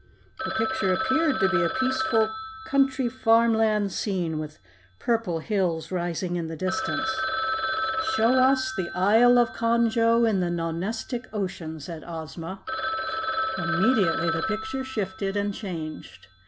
The picture appeared to be a peaceful, country farmland scene with purple hills rising in the distance. "Show us the Isle of Conjo in the Nonestic Ocean," said Ozma. Immediately the picture shifted and changed.